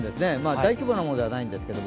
大規模なものではないんですけれども。